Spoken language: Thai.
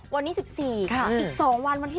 วันนี้๑๔ค่ะอีก๒วันวันที่๑